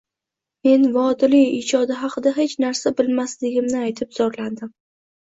Men Vodiliy ijodi xaqida hech narsa bilmasligimni aytib, zorlandim.